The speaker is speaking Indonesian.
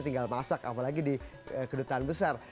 tinggal masak apalagi di kedutaan besar